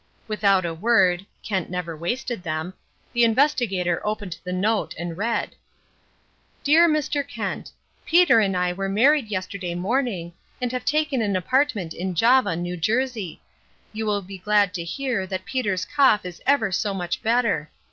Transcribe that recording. Without a word (Kent never wasted them) the Investigator opened the note and read: "Dear Mr. Kent, "Peter and I were married yesterday morning, and have taken an apartment in Java, New Jersey. You will be glad to hear that Peter's cough is ever so much better.